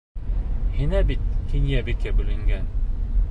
Һиңә бит Кинйәбикә бүленгән.